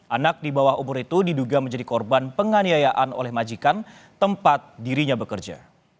anak di bawah umur itu diduga menjadi korban penganiayaan oleh majikan tempat dirinya bekerja